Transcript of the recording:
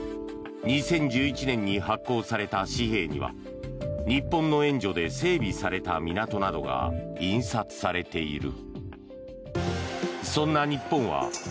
２０１１年に発行された紙幣には日本の援助で整理された港などが印刷されている。